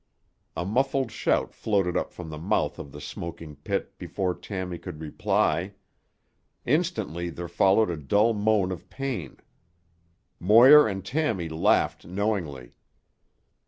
A muffled shout floated up from the mouth of the smoking pit before Tammy could reply. Instantly there followed a dull moan of pain: Moir and Tommy laughed knowingly.